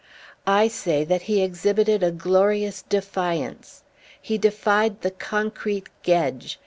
I say that he exhibited a glorious defiance. He defied the concrete Gedge.